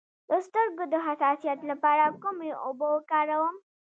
د سترګو د حساسیت لپاره کومې اوبه وکاروم؟